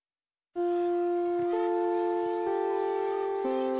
うん。